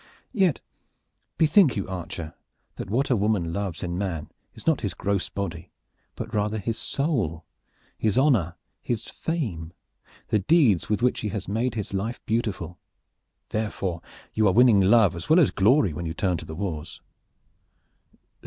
"Yet, bethink you, archer, that what a woman loves in man is not his gross body, but rather his soul, his honor, his fame, the deeds with which he has made his life beautiful. Therefore you are winning love as well as glory when you turn to the wars."